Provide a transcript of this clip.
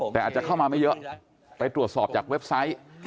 แต่อาจจะเข้ามาไม่เยอะไปตรวจสอบจากเว็บไซต์